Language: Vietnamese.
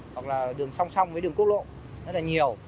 hoặc là đường song song với đường quốc lộ rất là nhiều